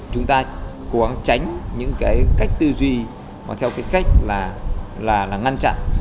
chúng ta cố gắng tránh những cái cách tư duy mà theo cái cách là ngăn chặn